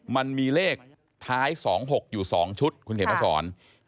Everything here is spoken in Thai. มันมีเลขท้าย๒๖อยู่๒ชุดคุณเขียนมาสอน